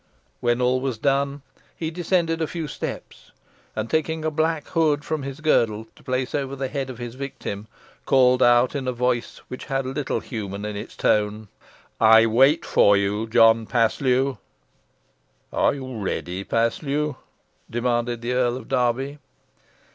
When all was done, he descended a few steps, and, taking a black hood from his girdle to place over the head of his victim, called out in a voice which had little human in its tone, "I wait for you, John Paslew." "Are you ready, Paslew?" demanded the Earl of Derby.